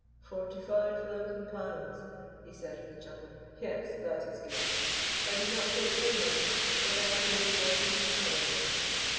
"Forty five thousand pounds," he said with a chuckle. "Yes, that is good. I did not take her money, but I have been rewarded in another way."